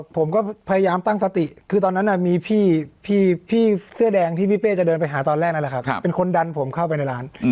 ผมก็พยายามตั้งสติคือตอนนั้นมีพี่เสื้อแดงที่พี่เป้จะเดินไปหาตอนแรกนั่นแหละครับเป็นคนดันผมเข้าไปในร้าน